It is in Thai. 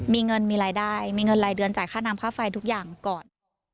มีเงินมีรายได้มีเงินรายเดือนจ่ายค่าน้ำค่าไฟทุกอย่างก่อน